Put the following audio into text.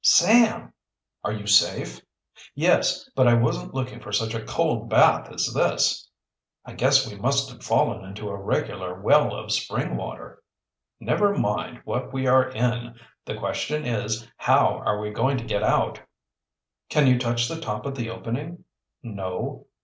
"Sam!" "Are you safe?" "Yes, but I wasn't looking for such a cold bath as this." "I guess we must have fallen into a regular well of spring water." "Never mind what we are in. The question is, how are we to get out?" "Can you touch the top of the opening?" "No."